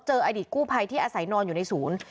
อดีตกู้ภัยที่อาศัยนอนอยู่ในศูนย์